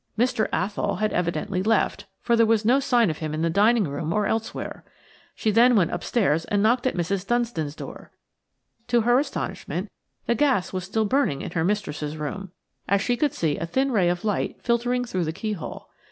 Mr. Athol had evidently left, for there was no sign of him in the dining room or elsewhere. She then went upstairs and knocked at Mrs. Dunstan's door. To her astonishment the gas was still burning in her mistress's room, as she could see a thin ray of light filtering through the keyhole.